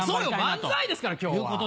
漫才ですから今日は。